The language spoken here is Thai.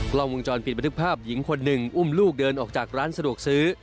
กล้องวงจรปิดบันทึกภาพหญิงคนหนึ่งอุ้มลูกเดินออกจากร้านสะดวกซื้อ